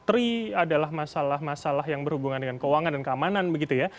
masalah dki paling dekat top tiga adalah masalah masalah yang berhubungan dengan keuangan dan keamanan begitu ya